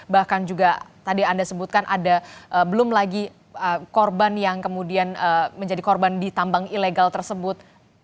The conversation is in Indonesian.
bahkan juga tadi anda sebutkan ada belum lagi korban yang kemudian menjadi korban di tambang ilegal tersebut